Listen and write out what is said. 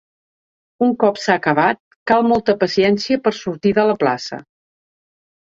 Un cop s’ha acabat, cal molta paciència per a sortir de la plaça.